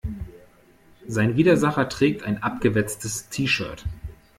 Sein Widersacher trägt ein abgewetztes T-shirt.